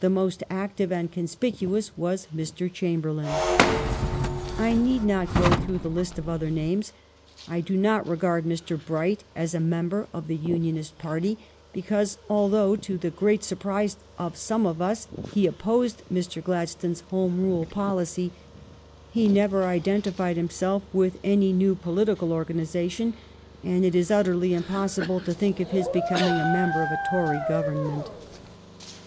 The most active and conspicuous was Mr. Chamberlain. I need not go through the list of other names. I do not regard Mr. Bright as a member of the Unionist party, because, although to the great surprise of some of us he opposed Mr. Glad stones Home Rule policy, he never identified himself with any new political organization, and it is utterly impossible to think of his becoming a member of a Tory Government.